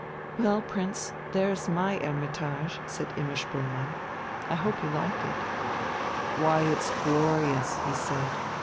"Well, Prince, there's my hermitage," said Imma Spoelmann. "I hope you like it." "Why, it's glorious," he said.